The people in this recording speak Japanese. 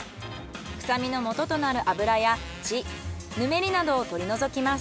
臭みのもととなる脂や血ぬめりなどを取り除きます。